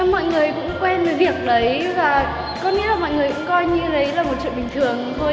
mọi người cũng quen với việc đấy và có nghĩa là mọi người cũng coi như đấy là một chuyện bình thường thôi